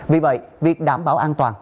vì vậy việc đảm bảo an toàn